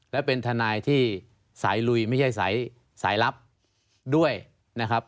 และเป็นทนายที่สายลุยไม่ใช่สายลับด้วยนะครับ